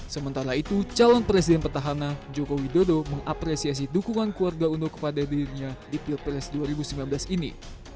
sementara itu calon presiden petahana joko widodo mengapresiasi dukungan keluarga uno kepada dirinya di pilpres dua ribu sembilan belas ini